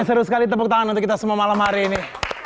seru sekali tepuk tangan untuk kita semua malam hari ini